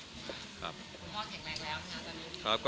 คุณพ่อแข็งแรงแล้วครับ